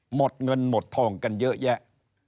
หมดเงินหมดทองกันเยอะแยะ